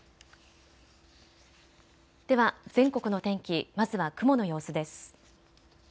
では全国の天気、まずは雲の様子です。